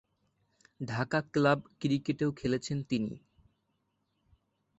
ঢাকার ক্লাব ক্রিকেটেও খেলেছেন তিনি।